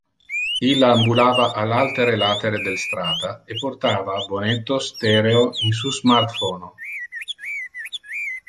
Illa ambulava al altere latere del strata e portava bonettos stereo in su smartphono.